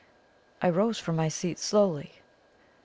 I rose from my seat slowly.